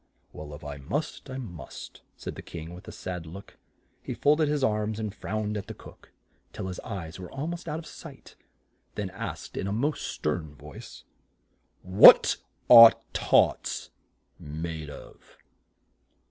"Well, if I must, I must," said the King with a sad look. He fold ed his arms and frowned at the cook till his eyes were al most out of sight, then asked in a stern voice, "What are tarts made of?"